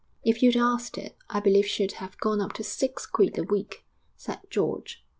'If you'd asked it, I believe she'd have gone up to six quid a week,' said George.